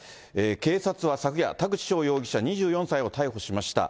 警察は昨夜、田口翔容疑者２４歳を逮捕しました。